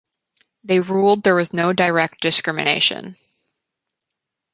They ruled there was no direct discrimination.